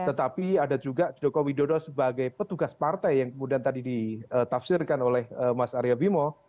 tetapi ada juga joko widodo sebagai petugas partai yang kemudian tadi ditafsirkan oleh mas arya bimo